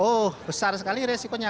oh besar sekali resikonya